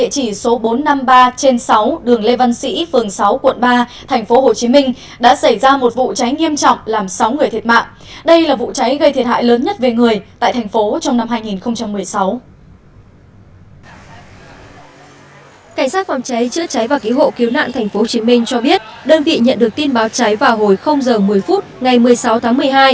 cảnh sát phòng cháy chữa cháy và cứu hộ cứu nạn tp hcm cho biết đơn vị nhận được tin báo cháy vào hồi h một mươi phút ngày một mươi sáu tháng một mươi hai